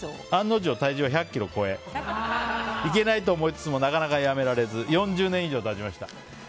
案の定、体重は１００ｋｇ超えいけないと思いつつもなかなかやめられず４０年以上経ちました。